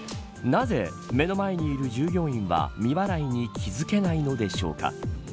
なぜ目の前にいる従業員は未払に気付けないのでしょうか。